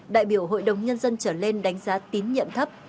đại biểu hội đồng nhân dân trở lên đánh giá tín nhiệm thấp